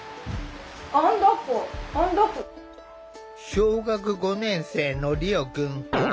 小学５年生のリオくん。